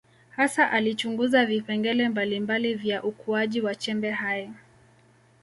Hasa alichunguza vipengele mbalimbali vya ukuaji wa chembe hai.